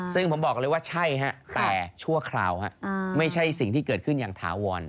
ซึ่งผมบอกเลยว่าใช่ฮะแต่ชั่วคราวไม่ใช่สิ่งที่เกิดขึ้นอย่างถาวร